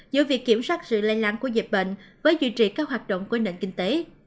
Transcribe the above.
giữa việc kiểm soát sự lây lan của dịp bệnh với duy trì các hoạt động quy định kinh tế